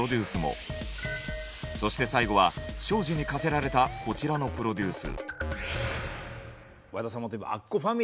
そして最後は庄司に課せられたこちらのプロデュース。